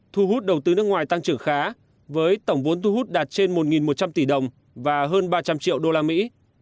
thu hút đầu tư nước ngoài tăng trưởng khá với tổng vốn thu hút đạt trên một một trăm linh tỷ đồng và hơn ba trăm linh triệu đô la mỹ